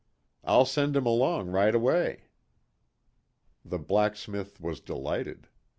I'll send him along right away." The blacksmith was delighted.